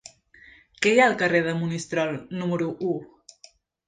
Què hi ha al carrer de Monistrol número u?